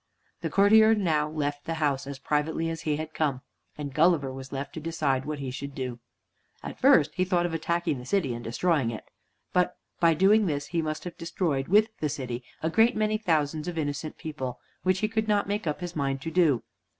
The courtier now left the house, as privately as he had come, and Gulliver was left to decide what he should do. At first he thought of attacking the city, and destroying it. But by doing this he must have destroyed, with the city, a great many thousands of innocent people, which he could not make up his mind to do.